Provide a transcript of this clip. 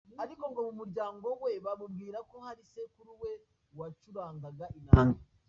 Ariko ngo mu muryango we bamubwira ko hari sekuru we wacurangaga inanga.